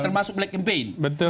termasuk black campaign